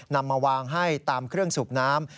นำมาวางให้ตามเครื่องสูบน้ำ